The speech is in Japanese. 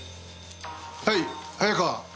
はい早川。